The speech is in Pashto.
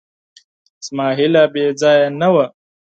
زما هیله بېځایه نه وه.